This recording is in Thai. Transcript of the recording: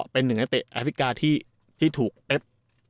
เป็นหนึ่งนักเตะแอฟการ์ที่ที่ถูกเตฟ